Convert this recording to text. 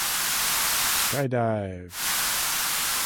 Skydive!